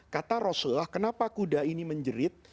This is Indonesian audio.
kata rasulullah kenapa kuda ini menjerit